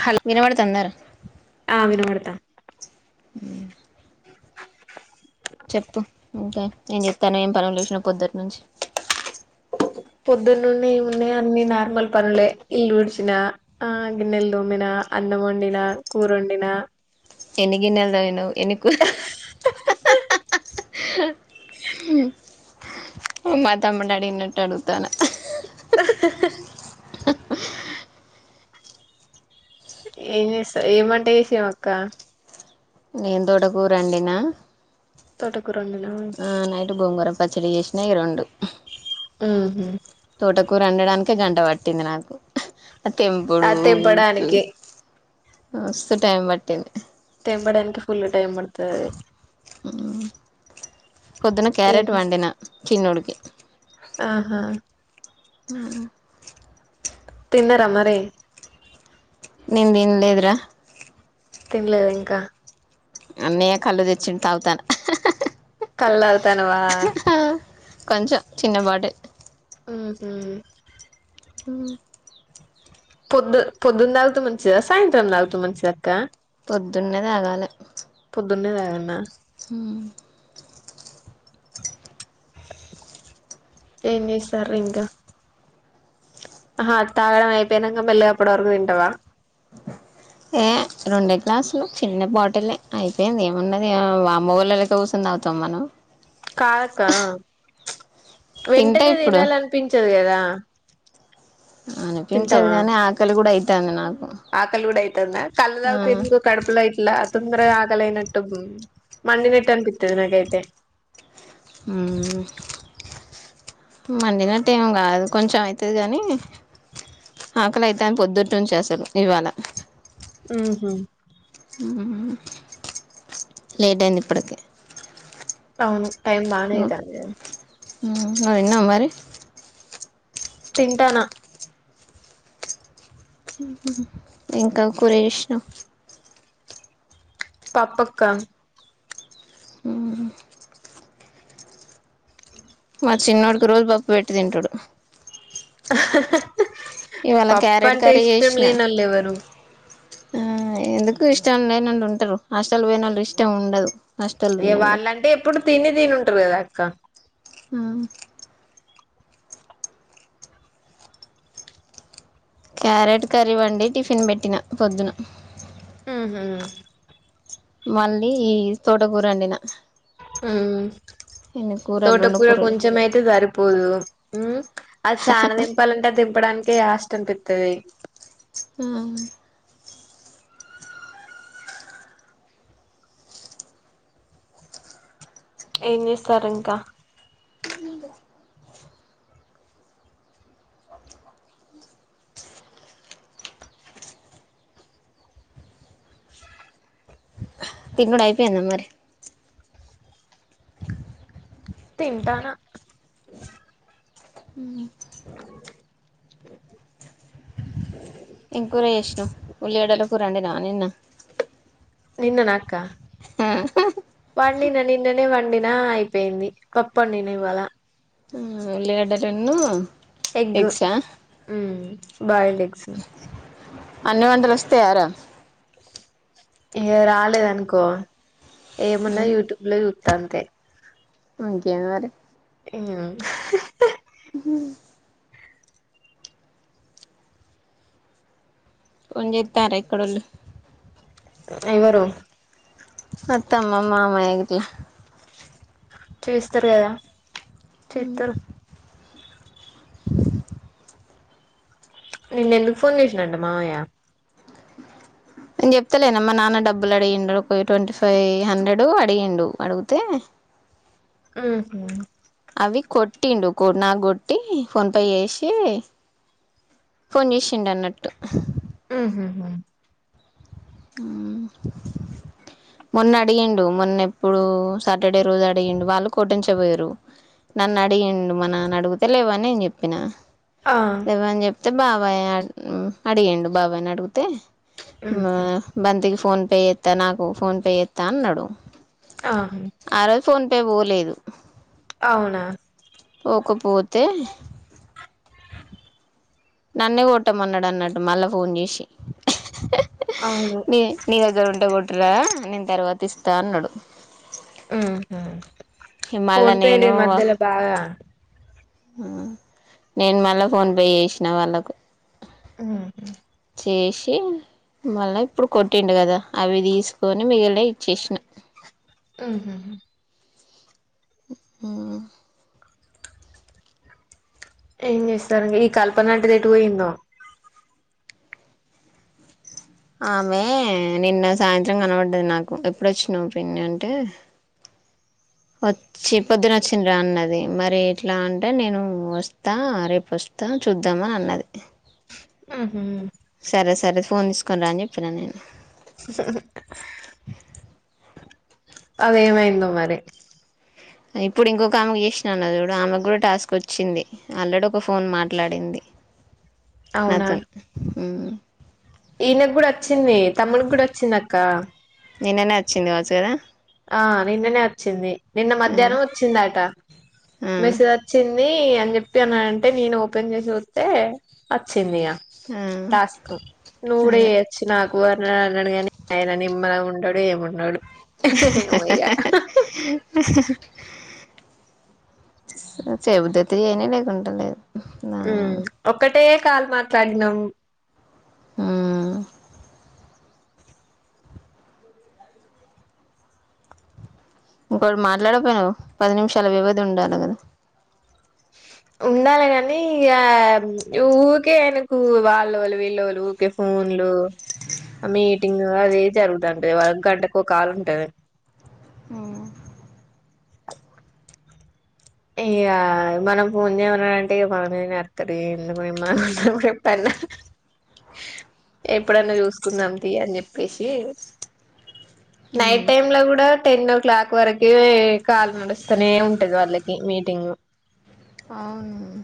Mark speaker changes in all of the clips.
Speaker 1: Hello
Speaker 2: వినబడుతంద రా
Speaker 1: ఆ వినబడతాంది
Speaker 2: ఉ చెప్పు ఇంకా నేను చెప్తాను ఏం పను చసిన పొద్దుటి నుంచి
Speaker 1: పొద్దునుండి ఉన్నాయి అన్ని నార్మల్ పనులే ఇల్లు ఉడిచిన ఆ గిన్నెలు దోమిన అన్నం వండినా కూర వండినా
Speaker 2: ఎన్ని గిన్నెలు తొమినవ్ మా తమ్ముని అడిగినట్టు అడుగుతున్న
Speaker 1: ఏం చేస్ ఏం వంట చేసావ్ అక్క
Speaker 2: నేను దొట కూర వండిన
Speaker 1: తోట
Speaker 2: ఆ నైటు గోంగూర పచ్చడి చేసినా ఈ రెండు
Speaker 1: హ్మ్ హు
Speaker 2: తోటకూర అండడానికే గంట పట్టింది నాకు అ తెంపుడు
Speaker 1: అది తెంపడానికి
Speaker 2: మస్తు టైం పట్టింది
Speaker 1: తెేంపడానికి ఫుల్ టైమ్ పడుతది అది
Speaker 2: పొద్దున్న క్యారెట్ వండిన చిన్నోడికి
Speaker 1: ఆహా
Speaker 2: హ్మ్ హు
Speaker 1: తిన్నరా మరి
Speaker 2: నేన్ దిన్లేదు రా
Speaker 1: తినలేదు ఇంకా
Speaker 2: అన్నయ్య కళ్ళు తెచ్చి తాగుతాను
Speaker 1: కళ్ళ తనవ
Speaker 2: కొంచెం చిన్నబాటే
Speaker 1: హ్మ్ హూ
Speaker 2: అ
Speaker 1: పొద్దు పొద్దున్న తాగుత మంచిదా సాయంత్రం తాగుత మంచిద అక్క
Speaker 2: పొద్దున్నే తాగాలే
Speaker 1: ద్దున్నే తాగన్న
Speaker 2: హ్మ్
Speaker 1: ఏం చేసినారు ఇంకా ఆహా తాగాడం అయిపోయినంకా మెల్లగా అప్పుడు వర్కు తింటవా
Speaker 2: ఏ రెండే గ్లాసు లే చిన్న బాటిల్ లే అయిపోయింది, ఏమున్నది అమ్మ వోళ్ళ లెక్క కూసోని తాగుతామ మనం
Speaker 1: కాద్ అక్కా
Speaker 2: తింటా
Speaker 1: వెంటనే
Speaker 2: ఇప్పుడు
Speaker 1: తినాల అనిపించదు కదా అ
Speaker 2: అనిపించదు గానీ ఆకలి కూడా అయి తంది నాక్
Speaker 1: ఆకలి కూడ అయితంద కళ్ దాగుతాయి ఎందుకో కడుపులా యిట్లా తొందర గా ఆకలి అయినట్టు బు న్ మండి నట్టు అనిపిత్తది నాకైతే
Speaker 2: హుమ్ మండినట్టు ఏం కాదు కొంచెం అయితది, కానీ ఆకలి అయితన్ పొద్దుట్ నుంచి అసల్ ఇవాళ
Speaker 1: హ్మ్ హు
Speaker 2: లేట్ అయింది ఇప్పడ్ కే
Speaker 1: అవును టైమ్ బానే అయితాందే
Speaker 2: హ్మ్ నువ్ తిన్నావా మరి
Speaker 1: తింటానా
Speaker 2: ఇంకా ఆ కూర చేసినావ్
Speaker 1: పప్పుక్కా
Speaker 2: మా చిన్నోడ్ కి రోజు పప్పు పెట్టు తింటడు
Speaker 1: అ
Speaker 2: ఇవాళ క్యారెట్ కర్రీ చేసిన
Speaker 1: లేనోళ్ళు ఎవరు
Speaker 2: ఆ ఎందు క్ కు ఇష్టం లేనోళ్ళు ఉంటారు హష్టల్ పోయినోళ్ళు ఇష్టం ఉండదు హాస్టల్
Speaker 1: ఏ
Speaker 2: ఉన్నోళ్ళకి
Speaker 1: వాళ్ళంటే ఎప్పుడు తిని తినున్ రు కాదక్కా
Speaker 2: ఆ క్యారెట్ కర్రీ వండి టిఫిన్ పెట్టినా పొద్దున
Speaker 1: హూ హా
Speaker 2: మళ్ళీ ఈ తోట కూరండిన
Speaker 1: ఉమ్
Speaker 2: కూరలు రెండు
Speaker 1: తోటకూర
Speaker 2: కూరలు
Speaker 1: కొంచెం అయితే సరిపోదు, హ్మ్ అది చాన దెంపాలంటే దింపడాన్ కే హస్ట్ అనిపిత్తది
Speaker 2: మ్మ్
Speaker 1: ఏం చేస్తార్ ఇంకా
Speaker 2: తినూడ్ అయిపోయిందా మరి
Speaker 1: తింటానా
Speaker 2: ఏం కూర చేసినవ్ ఉల్లగడ్డల కూరండి దానీన్న
Speaker 1: నిన్న నాక
Speaker 2: ఆహ్
Speaker 1: పండిన నిన్ననే వండిన అయిపోయింది పప్పండిన ఇవాళ
Speaker 2: [inaudible]
Speaker 1: ఎగ్
Speaker 2: ఎగ్స్ ఆ
Speaker 1: బయెల్ ఎగ్స్
Speaker 2: అన్ని వంటలు వస్తయార
Speaker 1: ఇంక రాలేదానుకో ఏమన్న యూట్యూబ్ లో దంతే
Speaker 2: ఇంకేమి మరి
Speaker 1: అ హ్ హ్
Speaker 2: ఉహ ఫోన్ చేత్తార ఇక్కడోళ్ళు
Speaker 1: ఎవ్వరు
Speaker 2: అత్త అమ్మమ్మ మా మామయ్య ఏంటి
Speaker 1: చేస్తార్ కదా
Speaker 2: అ
Speaker 1: చేత్తరు నిన్న ఎందుకు ఫోన్ చేసిండంట మావయ్య
Speaker 2: నే న్ చెప్తలేనామ్ మా నాన్న డబ్బులు అడిగిండు ట్వంటీ ఫైవ్ హండ్రెడు అడిగిండు అడిగితే
Speaker 1: ఆహ
Speaker 2: అవి కొట్టిండు నాకు కొట్టి ఫోన్ పే చేసి ఫోన్ చేసిండు అన్నట్టు
Speaker 1: ఉహు
Speaker 2: మొన్న అడిగిండు మొన్నప్పుడు సాటర్డే రోజు అడిగిండు వాళ్ళు కొట్టెంచబయరు నన్ను అడిగిండు మా నాన్న అడిగితే లేవని నేను చెప్పిన
Speaker 1: ఆ
Speaker 2: లేవ్వని చెప్తే బాబయ్ యాడికి అడిగిండు బాబాయిని అడుగితే
Speaker 1: ఉమ్
Speaker 2: అందుకి ఫోన్ పే చేస్త నాకు ఫోన్ పే చేస్తా అన్నాడు
Speaker 1: ఆ
Speaker 2: ఆ రోజ్ ఫోన్ పే పోలే లేదు
Speaker 1: అవున
Speaker 2: ఒకపోతే నన్నే కొట్టమన్నడు అన్నట్టు మళ్ళా ఫోన్ చేసి
Speaker 1: అవును
Speaker 2: ని నీ దగ్గరుంటె కూ అట్లా నేను తర్వాత ఇస్తా అన్నడు
Speaker 1: ఉహూ
Speaker 2: మళ్ళా
Speaker 1: ఫోన్ పే లె
Speaker 2: నేను
Speaker 1: మధ్యలో బాగా
Speaker 2: నేను మళ్ళ ఫోన్ పే చేసినా వాళ్ళకు
Speaker 1: మ్
Speaker 2: చేసి మళ్ళా ఇప్పుడు కొట్టిండు కదా అవి తీస్కొని మిగిలనివి ఇచ్చేసిన
Speaker 1: ఊహు
Speaker 2: ఉ
Speaker 1: ఏం చేస్తారు ఈ కల్పన ఆంటీ ఎటు పోయిందో
Speaker 2: ఆమే నిన్న సాయంత్రం కనబడ్డది నాకు ఎప్పుడోచ్చినావ్ పిన్ని అంటే వచ్చి పొద్దున వచ్చిం రా అన్నది మరి ఎట్లా అంటే నేను వస్తా రేపు వస్తా చూద్దామ్ అని అన్నది
Speaker 1: హ్మ్ హు
Speaker 2: సరే సరే ఫోన్ తీసుకుని రా అని చెప్పినాను నేను
Speaker 1: అది ఎమైందో మరి
Speaker 2: ఇప్పుడు ఇంకొక ఆమెకు చేసినా అన్న చూడు ఆమెకు కూడా టాస్క్ వచ్చింది ఆల్రెడీ ఒక ఫోన్ మాట్లాడింది
Speaker 1: అవునా
Speaker 2: నాతో హ్మ్
Speaker 1: ఈయనకు కూడా వచ్చింది తమ్ముడుకి కూడా వచ్చింది అక్క
Speaker 2: నిన్ననే వచ్చింది కావచ్చు కదా
Speaker 1: ఆ నిన్ననే వచ్చింది నిన్న
Speaker 2: ఆ,
Speaker 1: మధ్యాహ్నం వచ్చిందీఅట
Speaker 2: ఆ,
Speaker 1: మెసేజ్ వచ్చింది ని అనీ చెప్పి అంటే నేను ఓపెన్ చూస్తే అచ్ కిన్వ్య
Speaker 2: ఆ,
Speaker 1: టాస్క్ నువ్వు కూడా
Speaker 2: అదే
Speaker 1: చేయచ్చు నా ఎక్కువ వరనడు గాని ఆయన నిమ్మళంగా ఉన్నటాడు ఏమిన్నాడు ఏమో ఇగ
Speaker 2: చెబితే తి అని లేకుంటే లేదు దాని
Speaker 1: హ్మ్
Speaker 2: అని.
Speaker 1: ఒకటే కాలు మాట్లాడినాం
Speaker 2: హ్మ్ ఇంకోటి మాట్లాడకపోయినావు పది నిమిషాల వ్యవధి ఉండాలి కదా
Speaker 1: ఉండాలి కానీ య ఊరికే ఆయనకు వాల్లొలు విల్లొలు ఊరికే ఫోన్లు మీటింగ్ అదే జరుగుతటది వా గంటకు ఒక కాలు ఉంటది
Speaker 2: హ్మ్
Speaker 1: ఇయ మనం ఫోన్ చేయమనంటే మన మీదనే అరుతాడు ఎందుకు నిమ్మళంగా [unintelligible] ఎప్పుడన్నా చూసుకుందాం తి అని చెప్పేసి నైట్
Speaker 2: మ్మ్.
Speaker 1: టైమ్ లా కూడా టెన్ ఓ క్లాక్ వరకే కాల్ నడుస్తూనే ఉంటది వాళ్ళ మీటింగు
Speaker 2: అవును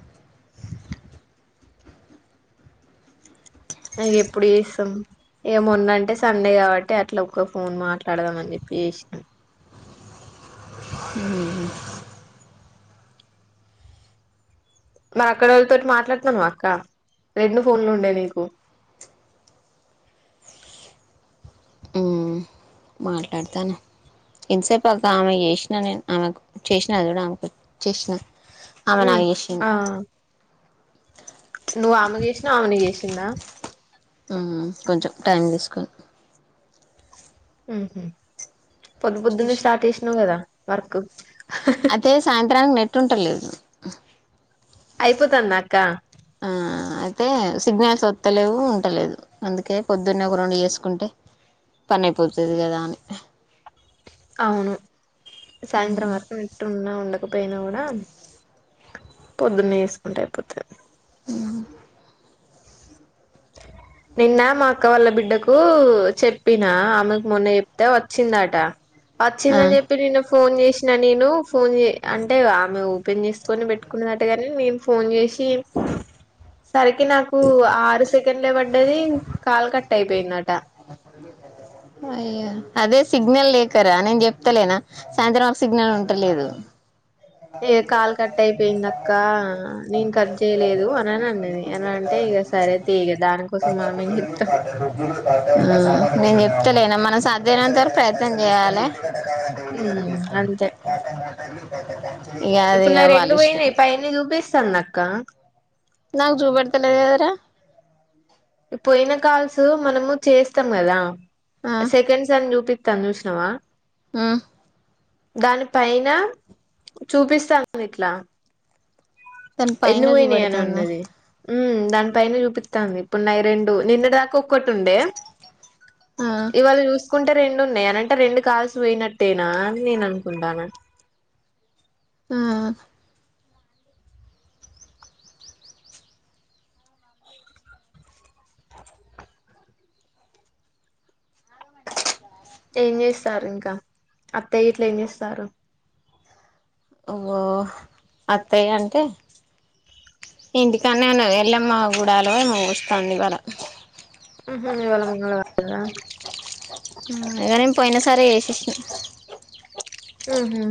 Speaker 1: ఇక ఎప్పుడు చేస్తాం య మొన్నంటే సండే కాబట్టి అట్లా ఒక్క ఫోన్ మాట్లాడదాం అని చెప్పి చేసానం
Speaker 2: హ్మ్
Speaker 1: మ అక్కడ వాళ్ళతోటి మాట్లాడుతాను అక్క రెండు ఫోన్లు ఉండే నీకు
Speaker 2: హ్మ్ మాట్లాడతాను ఎంతసేపు అక్క ఆమె చేసినా నేను ఆమెకు చేసినా కూడా ఆమెకు చేసినా
Speaker 1: హ్మ్ ఆ నువ్వు ఆమెకు చేసినవు ఆమె నీకు చేసి తిన్న
Speaker 2: హ్మ్ కొంచెం టైం తీసుకొని
Speaker 1: హ్మ్ హు పొద్దు పొద్దున్నే సార్ట్ చేసినావు కదా వర్క్
Speaker 2: అతే సాయంత్రాన్కి నెట్ టుంటలేదు అహ
Speaker 1: అయిపోతుంది అక్క
Speaker 2: అయితే సిగ్నల్స్ ఒత్తలేవు ఉండలేదు అందుకే పొద్దున్నే ఒక రౌండు చేసుకుంటే పని అయిపోతుంది కదా అని
Speaker 1: అవును సాయంత్రం వరకు ఉంటున ఉండక ప్పొయిన గూడా పొద్దున్నే జేస్కుంటే అయిపోతది నిన్న మా అక్క వాళ్ళ బిడ్డకు చెప్పినా ఆమెకు మొన్న చెప్తే వచ్చిందాట
Speaker 2: ఆ
Speaker 1: వచ్చైదన్ జెప్పి న్నిన్న ఫోన్ చేశిన నేను ఫోన్ చే అంటే ఆమె ఓపెన్ చేసుకొని పెట్టుకున్నదటగని నేను ఫోన్ జేశి సరికి నాకు ఆరు సెకండ్లే పడ్డది కాలు కట్ అయి పోయిందట
Speaker 2: అయ్యా అదే సిగ్నల్ లేకరా నేను చెప్తలేనా సాయంత్రం మాకు సిగ్నల్ ఉంటలేదు ఆ
Speaker 1: ఏ కాల్ కట్ అయిపోయింది అక్క నేను కట్ చేయలేదు అని అని అన్నది అని అంటే ఇక సరే తీ ఇక దానికోసం మనం ఏం చెప్తాం
Speaker 2: నెన్ జెప్త లేనా మనం సాధైనంతరకు ప్రయత్నం చేయాలి డైలీ కద
Speaker 1: ఉమ్
Speaker 2: తీసుకోండి
Speaker 1: అంతే
Speaker 2: అదిా
Speaker 1: ఇప్పుడు నా రెండు పోయినయి పైని చూపిస్తాంది అక్క
Speaker 2: నాకు జూపెడ్తలేదు కదరా
Speaker 1: పోయిన కాల్స్ మనము చేస్తాం కదా
Speaker 2: ఆ
Speaker 1: సెకండ్ సన్ జూపి తాందూశ్నవా
Speaker 2: ఉం
Speaker 1: దాని పైన చూపిస్తాను ఇట్లా
Speaker 2: దాని
Speaker 1: ఎన్ని
Speaker 2: పైన చూపెడతాంది
Speaker 1: వోయిననున్నది ఉమ్ దాని పైన చూపిత్తాంది ప్పున్నాయి రెండు నిన్నడ్ దాకా ఒక్కటి ఉండే
Speaker 2: ఆ
Speaker 1: ఇవాళ చూసుకుంటే రెండు ఉన్నయి అనంటే రెండు కాల్సు పోయినట్టేనా అని నేను అనుకుంటాన
Speaker 2: ఆ
Speaker 1: ఏం చేస్తారు ఇంకా అత్తయ్యట్లు ఏం చేస్తారు
Speaker 2: ఓ అత్తయ్య అంటే ఇంటికన్నే ఉనది ఎళ్ళమ్మ గుడాలో ఏమో వోస్తాంది ఇవాల
Speaker 1: మ్హ్ ఇవాల మంగళ వారం ఆ
Speaker 2: పోయిన సారే ఏషేషినా
Speaker 1: ఉహు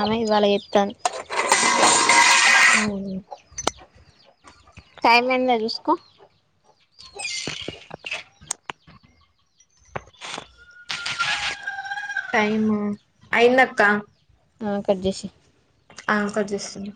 Speaker 2: ఆమె ఇవాళ చేత్తాంద్
Speaker 1: అవును
Speaker 2: టైం ఎండ చూసుకో
Speaker 1: టైమ్ అయ్యిందక్క
Speaker 2: ఆ కట్ జేషే
Speaker 1: ఆ కట్ చేస్తున్నా